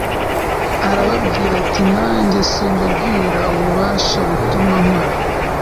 arababwira ati nanjye simbabwira ububasha butuma nkora